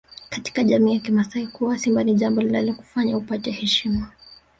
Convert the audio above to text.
Katika jamii ya kimasai kuua Simba ni jambo linalokufanya upate heshima